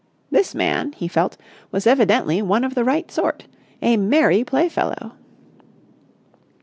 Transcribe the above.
This man, he felt, was evidently one of the right sort, a merry playfellow.